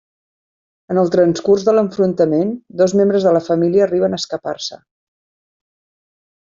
En el transcurs de l'enfrontament, dos membres de la família arriben a escapar-se.